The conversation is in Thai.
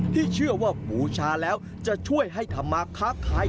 ที่เชื่อว่าบูชาแล้วจะช่วยให้ธรรมาค้าขาย